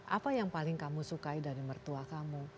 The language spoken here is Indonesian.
apa yang paling kamu sukai dari mertua kamu